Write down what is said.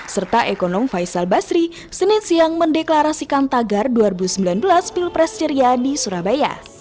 serta ekonom faisal basri senin siang mendeklarasikan tagar dua ribu sembilan belas pilpres ceria di surabaya